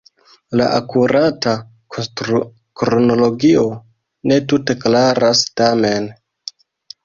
La akurata konstrukronologio ne tute klaras tamen.